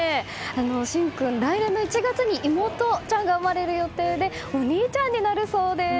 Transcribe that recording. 心君は来年の１月に妹ちゃんが生まれる予定でお兄ちゃんになるそうです。